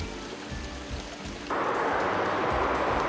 terowongan ini terlalu tinggi sehingga jendela tidak terowongan